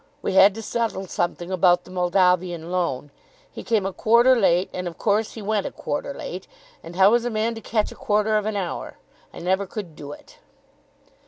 We had to settle something about the Moldavian loan. He came a quarter late, and of course he went a quarter late. And how is a man to catch a quarter of an hour? I never could do it."